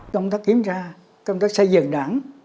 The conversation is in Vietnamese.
công tác kiểm tra công tác xây dựng đảng